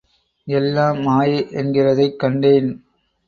எல்லாம் மாயை என்கிறதைக் கண்டேன்.